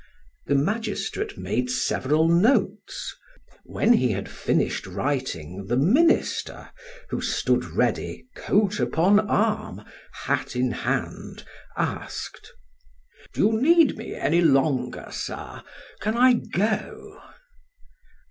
The magistrate made several notes; when he had finished writing, the minister, who stood ready, coat upon arm, hat in hand, asked: "Do you need me any longer, sir? Can I go?"